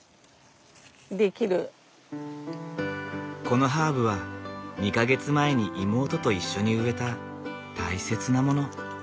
このハーブは２か月前に妹と一緒に植えた大切なもの。